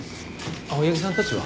青柳さんたちは？